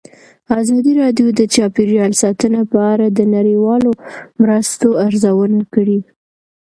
ازادي راډیو د چاپیریال ساتنه په اړه د نړیوالو مرستو ارزونه کړې.